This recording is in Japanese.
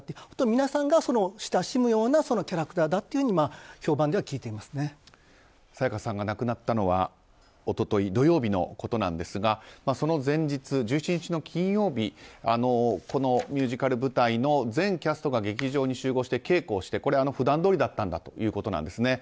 皆さんが親しむようなキャラクターだったと沙也加さんが亡くなったのは一昨日、土曜日のことですがその前日、１７日の金曜日ミュージカル舞台の全キャストが劇場に集合して稽古をして普段通りだったということなんです。